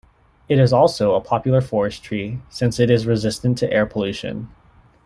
It is also a popular forest tree since it is resistant to air pollution.